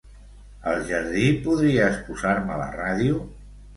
Al jardí podries posar-me la ràdio?